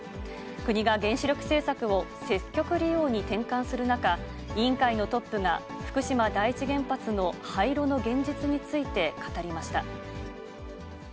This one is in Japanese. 国が原子力政策を積極利用に転換する中、委員会のトップが、福島第一原発の廃炉の現実について語りました。